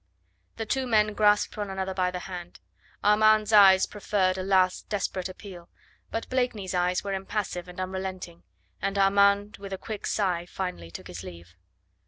The two men grasped one another by the hand. Armand's eyes proffered a last desperate appeal. But Blakeney's eyes were impassive and unrelenting, and Armand with a quick sigh finally took his leave.